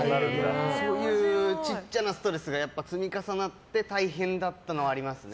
そういう小さなストレスが積み重なって大変だったのはありますね。